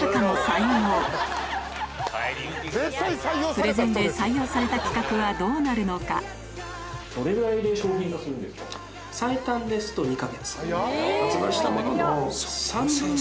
プレゼンで採用された企画はどうなるのか発売したものの。